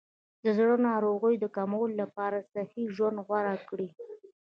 د زړه ناروغیو د کمولو لپاره صحي ژوند غوره کړئ.